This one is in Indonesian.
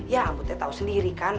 ya amputnya tau sendiri kan